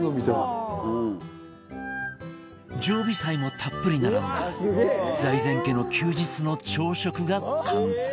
常備菜もたっぷりな財前家の休日の朝食が完成。